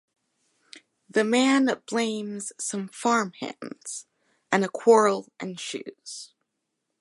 The man blames some farm hands, and a quarrel ensues.